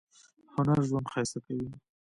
هنر ژوند ښایسته کوي